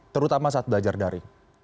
terutama saat belajar dari